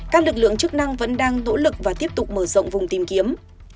các lực lượng chức năng vẫn đang nỗ lực và tiếp tục mở rộng vùng tìm kiếm